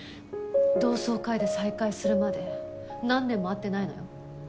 同窓会で再会するまで何年も会ってないのよ。